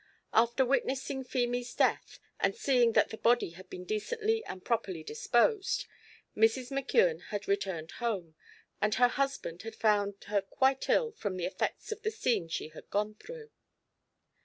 After witnessing Feemy's death, and seeing that the body had been decently and properly disposed, Mrs. McKeon had returned home, and her husband had found her quite ill from the effects of the scene she had gone through.